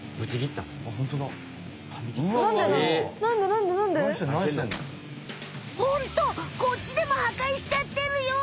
ホントこっちでも破壊しちゃってるよ！